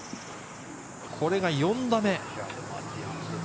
これが４打目。